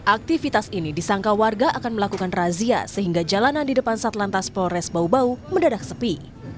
aktivitas ini disangka warga akan melakukan razia sehingga jalanan di depan satlantas polres bau bau mendadak sepi